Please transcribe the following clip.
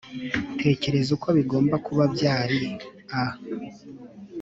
tekereza uko bigomba kuba byari a